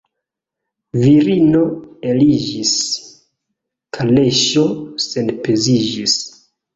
Virino eliĝis, kaleŝo senpeziĝis.